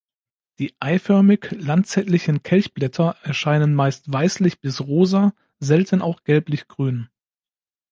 Die eiförmig-lanzettlichen Kelchblätter erscheinen meist weißlich bis rosa, selten auch gelblich-grün.